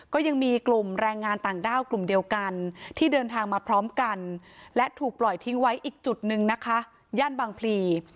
ก็ยังมีกลุ่มแรงงานต่างด้าวกลุ่มเดียวกันที่เดินทางมาพร้อมกันและถูกปล่อยทิ้งไว้อีกจุดหนึ่งนะคะย่านบางพลี